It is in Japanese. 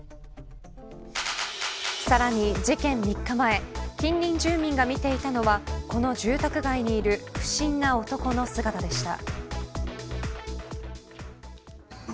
さらに事件３日前近隣住民が見ていたのはこの住宅街にいる不審な男の姿でした。